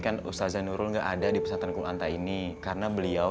kan ustadz nurul enggak ada di pesatan kulanta ini karena beliau